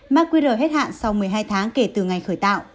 mã qr hết hạn sau một mươi hai tháng kể từ ngày khởi tạo